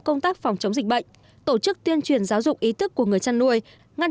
công tác phòng chống dịch bệnh tổ chức tuyên truyền giáo dục ý thức của người chăn nuôi ngăn